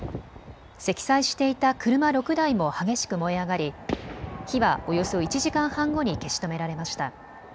積載していた車６台も激しく燃え上がり火はおよそ１時間半後に消し止められました。